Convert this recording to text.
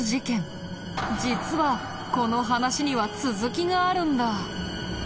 実はこの話には続きがあるんだ。